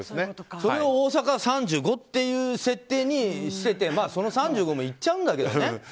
大阪が３５っていう設定にしててその３５もいっちゃうんだけどね。